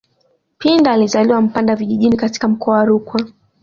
Pinda alizaliwa Mpanda vijijini katika mkoa wa Rukwa